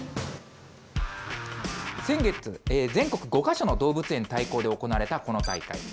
先月、全国５か所の動物園対抗で行われたこの大会。